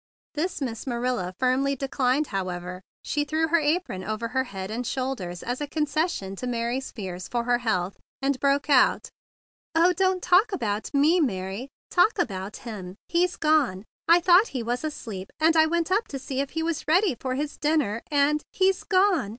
This Miss Ma¬ rilla firmly declined, however. She threw her apron over her head and shoulders as a concession to Mary's fears for her health, and broke out: 8 114 THE BIG BLUE SOLDIER "Oh, don't talk about me, Mary. Talk about him. He's gone! I thought he was asleep; and I went up to see if he was ready for his dinner, and he's gone!